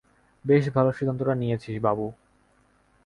বেশ ভালো সিদ্ধান্তটা নিয়েছিস, বাবু।